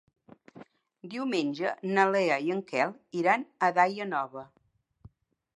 Diumenge na Lea i en Quel iran a Daia Nova.